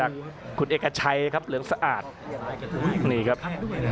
อัศวินาศาสตร์